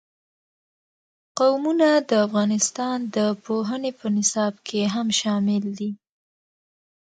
قومونه د افغانستان د پوهنې په نصاب کې هم شامل دي.